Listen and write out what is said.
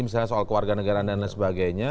misalnya soal keluarga negara dan lain sebagainya